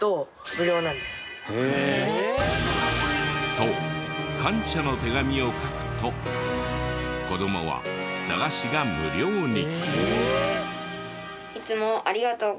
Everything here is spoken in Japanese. そう感謝の手紙を書くと子どもは駄菓子が無料に。